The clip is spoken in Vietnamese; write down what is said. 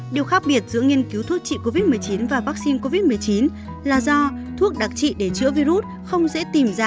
điều khác biệt giữa nghiên cứu thuốc trị covid một mươi chín và vaccine covid một mươi chín là do thuốc đặc trị để chữa virus không dễ tìm ra